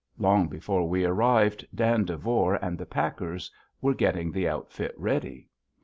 Long before we arrived, Dan Devore and the packers were getting the outfit ready.